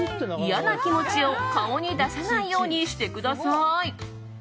嫌な気持ちを顔に出さないようにしてください。